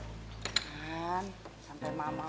kan sampe mama